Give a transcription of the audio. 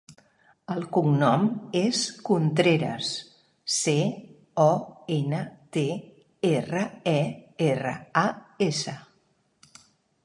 El cognom és Contreras: ce, o, ena, te, erra, e, erra, a, essa.